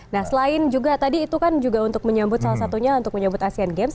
nah selain juga tadi itu kan juga untuk menyambut salah satunya untuk menyebut asean games